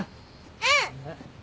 うん。